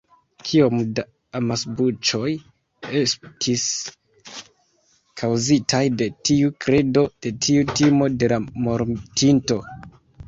Kiom da amasbuĉoj estis kaŭzitaj de tiu kredo, de tiu timo de la mortinto.